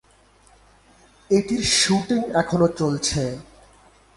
এটির শুটিং এখনো চলছে।